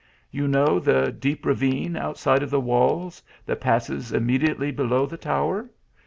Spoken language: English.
You know the deep ravine outside of the walls, that passes immediately below the tower.